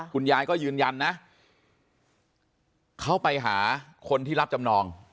คุณยายก็ยืนยันนะเขาไปหาคนที่รับจำนอง